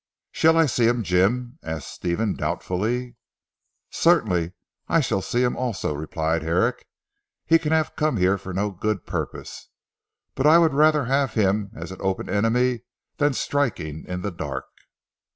"Shall I see him, Jim?" asked Stephen doubtfully. "Certainly. I shall see him also," replied Herrick, "he can have come here for no good purpose. But I would rather have him as an open enemy than striking in the dark."